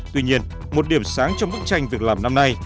tuy nhiên một điểm sáng trong bức tranh việc làm năm nay